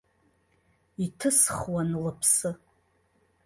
Иҭысхуан лыԥсы.